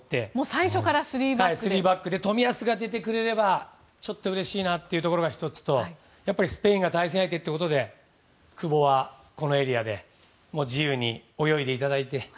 最初から３バックで冨安が出てくれればちょっとうれしいなというところが１つとやっぱりスペインが対戦相手ということで久保はこのエリアで、自由に泳いでいただいて。